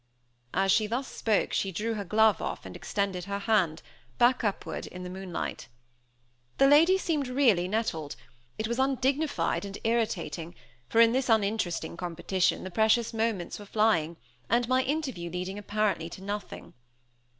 As she thus spoke she drew her glove off, and extended her hand, back upward, in the moonlight. The lady seemed really nettled. It was undignified and irritating; for in this uninteresting competition the precious moments were flying, and my interview leading apparently to nothing.